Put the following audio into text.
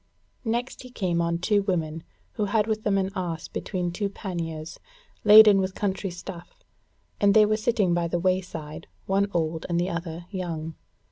Next he came on two women who had with them an ass between two panniers, laden with country stuff; and they were sitting by the wayside, one old and the other young.